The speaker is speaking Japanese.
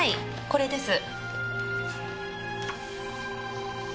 これです。